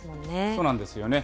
そうなんですよね。